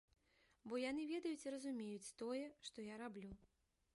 Бо яны ведаюць і разумеюць тое, што я раблю.